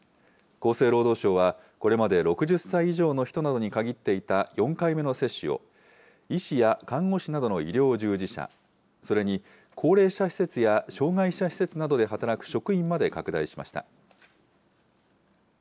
厚生労働省は、これまで６０歳以上の人などに限っていた４回目の接種を、医師や看護師などの医療従事者、それに高齢者施設や障害者施設などで働く職員まで拡大しました。